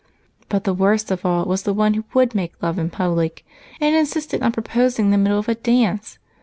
But the worst of all was the one who would make love in public and insisted on proposing in the middle of a dance.